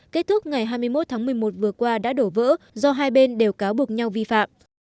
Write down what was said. kết thúc ngày hai mươi một tháng một mươi một vừa qua đã đổ vỡ do hai bên đều cáo buộc nhau vi phạm